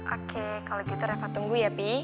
oke kalo gitu reva tunggu ya pi